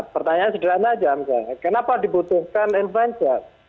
pertanyaan sederhana aja misalnya kenapa dibutuhkan influencer